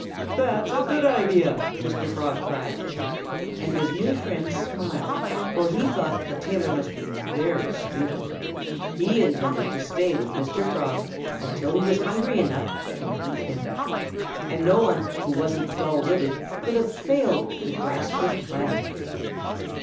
"That's a good idea!" Mr. Frog cried. And his new friend smiled, for he thought the tailor must be very stupid. He intended to stay with Mr. Frog until he was hungry enough to eat him. And no one who wasn't dull witted could have failed to grasp his plan.